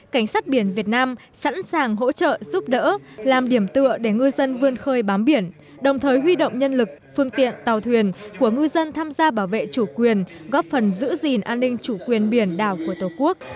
cảnh sát biển việt nam sẵn sàng hỗ trợ giúp đỡ làm điểm tựa để ngư dân vươn khơi bám biển đồng thời huy động nhân lực phương tiện tàu thuyền của ngư dân tham gia bảo vệ chủ quyền góp phần giữ gìn an ninh chủ quyền biển đảo của tổ quốc